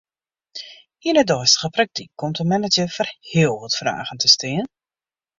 Yn 'e deistige praktyk komt de manager foar heel wat fragen te stean.